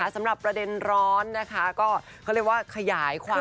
สำหรับประเด็นร้อนนะคะก็เขาเรียกว่าขยายความ